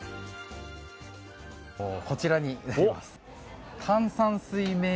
こちらになります。